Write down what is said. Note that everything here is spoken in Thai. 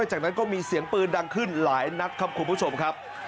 ใจเย็นครับทุกคนครับ